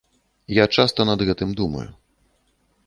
Я часта над гэтым думаю.